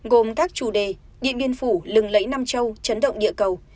gồm tác chủ đề điện biên phủ lừng lấy nam châu chấn động địa cầu